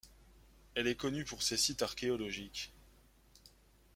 Elle est connue pour ses sites archéologiques.